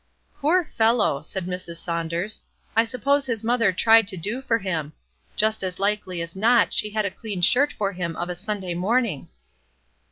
"Poor fellow!" said Mrs. Saunders, "I suppose his mother tried to do for him. Just as likely as not she had a clean shirt for him of a Sunday morning."'